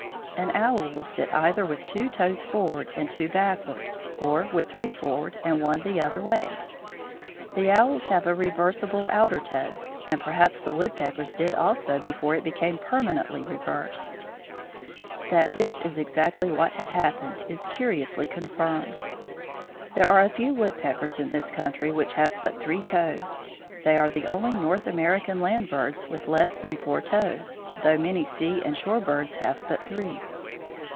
An owl will sit either with two toes forward and two backward, or with three forward and one the other way. The owls have a reversible outer toe, and perhaps the woodpeckers did also before it became permanently reversed. [Illustration: Foot of Three toed Woodpecker.] That this is exactly what had happened is curiously confirmed. There are a few woodpeckers in this country which have but three toes. They are the only North American land birds with less than four toes (though many sea and shore birds have but three).